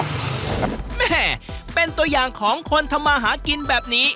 แม่เป็นตัวอย่างของคนทำมาหากินแบบนี้